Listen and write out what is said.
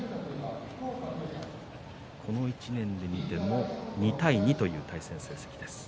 この１年で見ても２対２という対戦成績です。